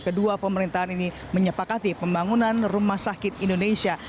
kedua pemerintahan ini menyepakati pembangunan rumah sakit indonesia